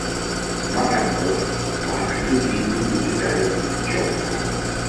Sous Mahkamov, la république vit l'une de ses périodes les plus turbulentes.